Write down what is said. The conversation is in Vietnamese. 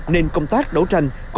nên công tác đấu tranh